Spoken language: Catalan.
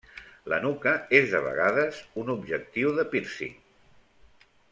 La nuca és de vegades un objectiu de pírcing.